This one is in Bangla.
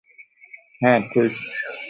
হ্যাঁ, ঠিক!